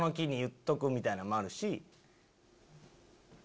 みたいなんもあるし。